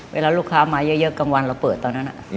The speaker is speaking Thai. เวลาลูกค้ามาเยอะกลางวันเราเปิดตอนนั้น